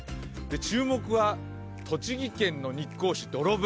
注目は栃木県の日光市土呂部。